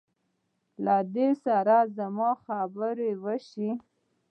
له دې سره زما خبره وشوه.